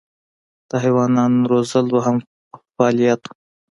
د حیواناتو روزل دویم فعالیت و.